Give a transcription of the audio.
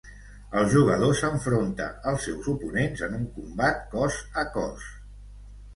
El jugador s'enfronta als seus oponents en un combat cos a cos.